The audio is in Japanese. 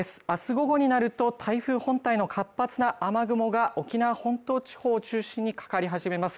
午後になると台風本体の活発な雨雲が沖縄本島地方中心にかかり始めます